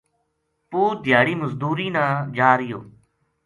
پوت دھیاڑی مزدوری نا جارہیو